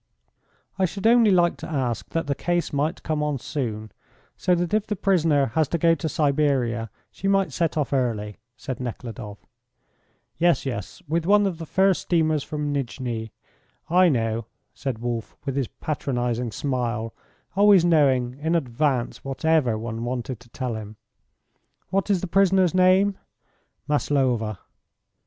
"I should only like to ask that the case might come on soon, so that if the prisoner has to go to Siberia she might set off early," said Nekhludoff. "Yes, yes, with one of the first steamers from Nijni. I know," said Wolf, with his patronising smile, always knowing in advance whatever one wanted to tell him. "What is the prisoner's name?" "Maslova."